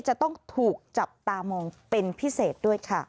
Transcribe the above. จะต้องถูกจับตามองเป็นพิเศษด้วยค่ะ